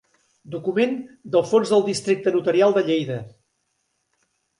Document del fons del Districte Notarial de Lleida.